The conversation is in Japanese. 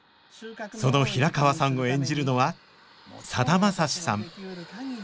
その平川さんを演じるのはさだまさしさん